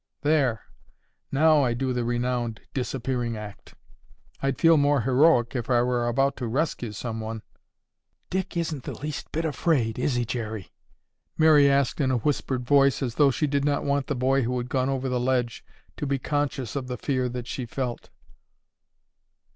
"There, now I do the renowned disappearing act. I'd feel more heroic if I were about to rescue someone." "Dick isn't the least bit afraid, is he, Jerry?" Mary asked in a whispered voice as though she did not want the boy who had gone over the ledge to be conscious of the fear that she felt.